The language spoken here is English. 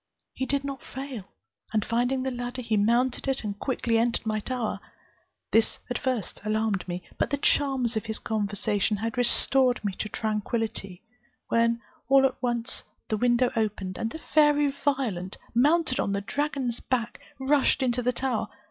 He did not fail, and finding the ladder, mounted it, and quickly entered my tower. This at first alarmed me; but the charms of his conversation had restored me to tranquillity, when all at once the window opened, and the fairy Violent, mounted on the dragon's back, rushed into the tower.